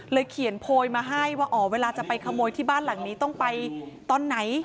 เขียนโพยมาให้ว่าอ๋อเวลาจะไปขโมยที่บ้านหลังนี้ต้องไปตอนไหน